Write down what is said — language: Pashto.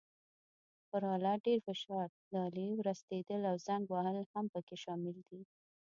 پر آله ډېر فشار، د آلې ورستېدل او زنګ وهل هم پکې شامل دي.